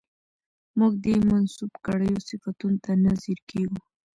موږ دې منسوب کړيو صفتونو ته نه ځير کېږو